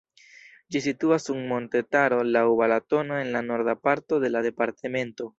Ĝi situas sur montetaro laŭ Balatono en la norda parto de la departemento.